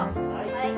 はい。